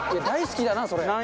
大好きだなそれ。